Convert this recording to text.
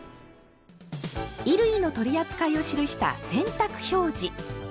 衣類の取り扱いを記した「洗濯表示」。